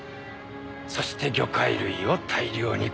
そして魚介類を大量に殺す。